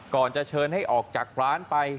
ก่อนจะเชิญให้ออกจากร้านไป